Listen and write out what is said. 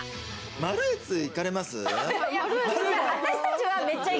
マルエツ、行かれます？